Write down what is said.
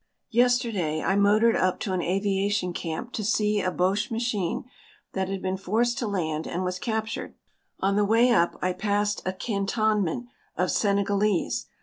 Yesterday I motored up to an aviation camp to see a Boche machine that had been forced to land and was captured. On the way up I passed a cantonment of Senegalese.